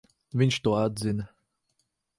Viņš to atzina.